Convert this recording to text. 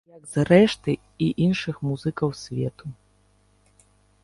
Як зрэшты і іншых музыкаў свету.